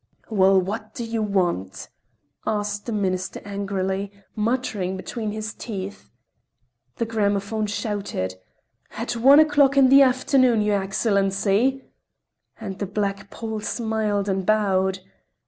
"Well, what do you want?" asked the Minister angrily, muttering between his teeth. The gramophone shouted: "At one o'clock in the afternoon, your Excellency!" and the black pole smiled and bowed.